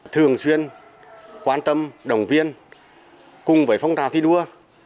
thường xuyên quan tâm đồng viên cùng với phong trào thi đua